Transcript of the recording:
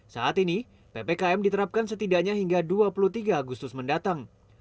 saat ini ppkm diterapkan setidaknya hingga dua puluh tiga agustus mendatang